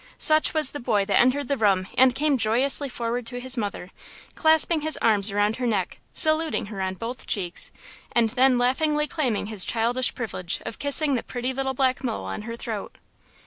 Such was the boy that entered the room and came joyously forward to his mother, clasping his arm around her neck, saluting her on both cheeks, and then laughingly claiming his childish privilege of kissing "the pretty little black mole on her throat."